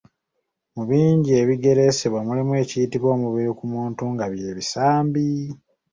Mu bingi ebigereesebwa mulimu ekiyitibwa omubiri ku muntu nga by'ebisambi.